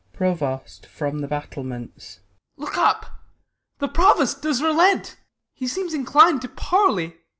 Provost from the battlements. Ben. Look up ! the Provost does relent : he seems Inclin'd to parley.